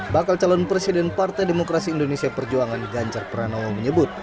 bakal calon presiden partai demokrasi indonesia perjuangan ganjar pranowo menyebut